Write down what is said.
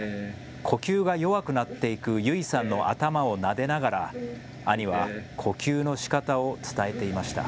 呼吸が弱くなっていく優生さんの頭をなでながら兄は呼吸のしかたを伝えていました。